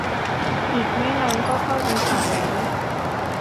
อีกไม่นานก็เข้าพรรษาแล้ว